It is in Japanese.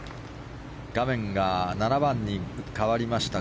画面が７番に変わりました。